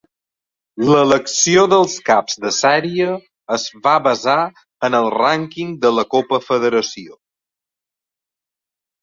L'elecció dels caps de sèrie es va basar en el rànquing de la Copa Federació.